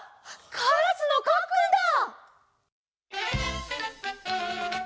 カラスのかっくんだ！